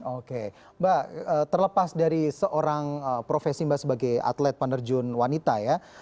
oke mbak terlepas dari seorang profesi mbak sebagai atlet penerjun wanita ya